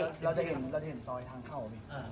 เราจะเห็นซอยทางเข้า